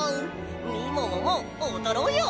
みもももおどろうよ！